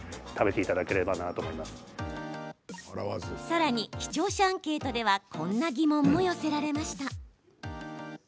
さらに視聴者アンケートではこんな疑問も寄せられました。